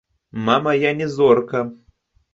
Мама, я не зорка.